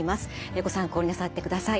ご参考になさってください。